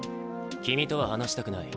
君とは話したくない。